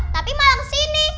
tapi malah kesini